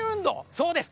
そうです